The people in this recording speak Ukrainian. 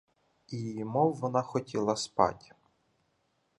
І мов вона хотіла спать.